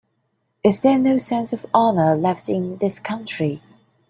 Is there no sense of honor left in this country?